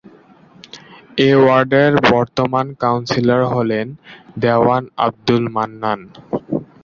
এ ওয়ার্ডের বর্তমান কাউন্সিলর হলেন দেওয়ান আবদুল মান্নান।